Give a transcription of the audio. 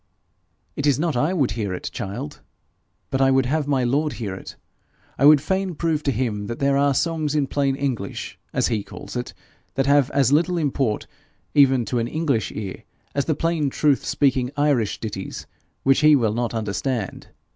'It is not I would hear it, child, but I would have my lord hear it. I would fain prove to him that there are songs in plain English, as he calls it, that have as little import, even to an English ear, as the plain truth speaking Irish ditties which he will not understand.